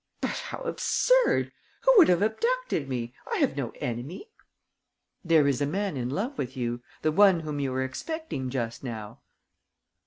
"But how absurd! Who would have abducted me? I have no enemy." "There is a man in love with you: the one whom you were expecting just now."